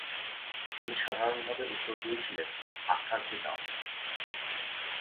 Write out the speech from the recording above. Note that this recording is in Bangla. তিনি সাধারণভাবে উত্তর দিয়েছিলেন, ‘আর্থারকে দাও’।